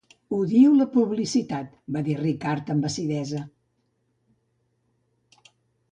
"Odio la publicitat", va dir Ricard amb acidesa.